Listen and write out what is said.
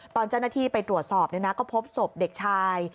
ตอนเจ้าราทีไปตรวจสอบเนี่ยนะก็พบศพเด็กชาย